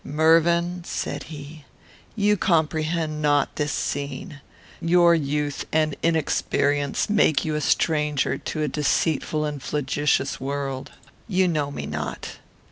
"Mervyn," said he, "you comprehend not this scene. Your youth and inexperience make you a stranger to a deceitful and flagitious world. You know me not.